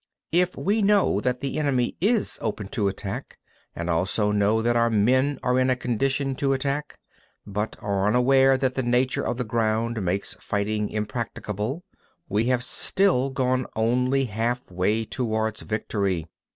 29. If we know that the enemy is open to attack, and also know that our men are in a condition to attack, but are unaware that the nature of the ground makes fighting impracticable, we have still gone only halfway towards victory.